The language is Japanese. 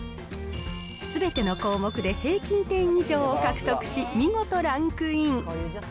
すべての項目で平均点以上を獲得し、見事ランクイン。